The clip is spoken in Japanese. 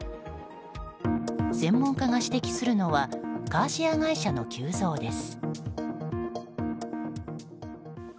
専門家が指摘するのはカーシェア会社の急増です。